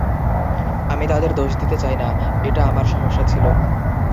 আমি তাদের দোষ দিতে চাই না - এটা আমার সমস্যা ছিল।